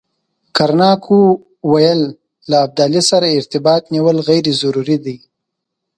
کرناک ویل له ابدالي سره ارتباط نیول غیر ضروري دي.